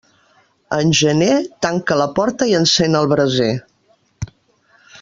En gener, tanca la porta i encén el braser.